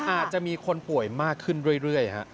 อาจจะมีคนป่วยมากขึ้นเรื่อย